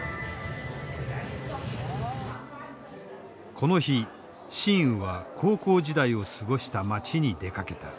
この日新雨は高校時代を過ごした街に出かけた。